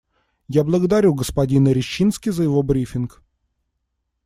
Я благодарю господина Рищински за его брифинг.